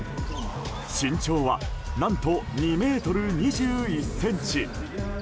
身長は何と２ｍ２１ｃｍ。